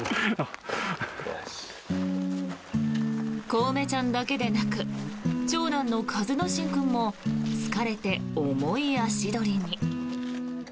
こうめちゃんだけでなく長男の和之心君も疲れて、重い足取りに。